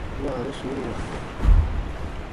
Wãaru suuruwa.